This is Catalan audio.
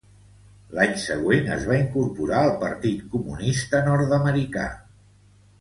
L'any següent, es va incorporar al Partit Comunista Nord-americà.